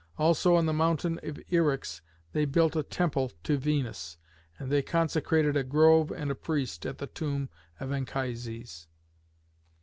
Also on the mountain of Eryx they built a temple to Venus, and they consecrated a grove and a priest at the tomb of Anchises.